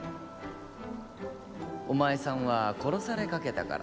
お前さんは殺されかけたからなあ。